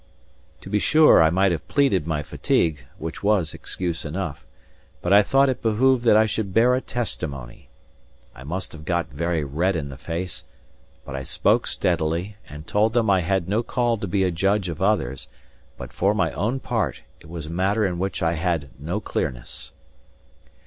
To be sure, I might have pleaded my fatigue, which was excuse enough; but I thought it behoved that I should bear a testimony. I must have got very red in the face, but I spoke steadily, and told them I had no call to be a judge of others, but for my own part, it was a matter in which I had no clearness.